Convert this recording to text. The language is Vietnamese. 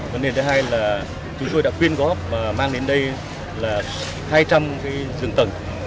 vấn đề thứ hai là chúng tôi đã quyên góp và mang đến đây là hai trăm linh cái rừng tầng